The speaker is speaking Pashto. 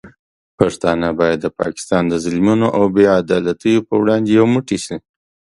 پښتانه باید د پاکستان د ظلمونو او بې عدالتیو پر وړاندې یو موټی شي.